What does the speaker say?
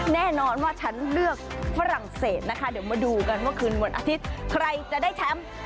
แน่นอนว่าฉันเลือกฝรั่งเศสนะคะเดี๋ยวมาดูกันว่าคืนวันอาทิตย์ใครจะได้แชมป์